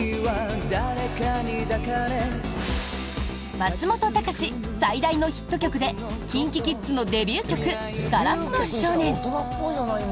松本隆、最大のヒット曲でＫｉｎＫｉＫｉｄｓのデビュー曲「硝子の少年」。